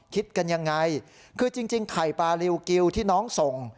คิดกันยังไงคือจริงไข่ปลาริวกิวที่น้องส่ง